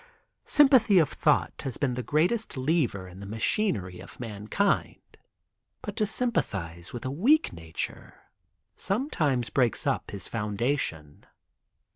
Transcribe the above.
Sympathy of thought has been the greatest lever in the machinery of mankind, but to sympathize with a weak nature sometimes breaks up his founda tion.